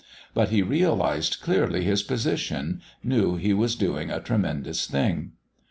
But he realised clearly his position, knew he was doing a tremendous thing.